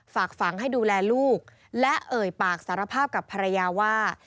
ฝากฝังให้ดูแลลูกและเอ่ยปากสารภาพกับภรรยาว่า